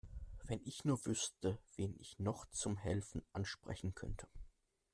Wenn ich nur wüsste, wen ich noch zum Helfen ansprechen könnte.